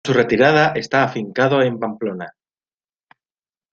Tras su retirada está afincado en Pamplona.